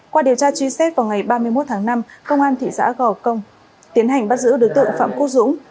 qua điều tra truy xét vào ngày ba mươi một tháng năm công an thị xã gò công tiến hành bắt giữ đối tượng phạm quốc dũng